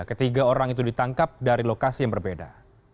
ketiga orang itu ditangkap dari lokasi yang berbeda